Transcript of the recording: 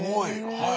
はい。